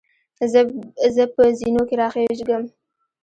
زۀ په زینو کې راخېږم.